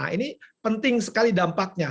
ini penting sekali dampaknya